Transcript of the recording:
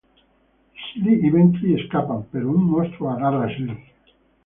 Sly y Bentley escapan, pero un monstruo agarra a Sly.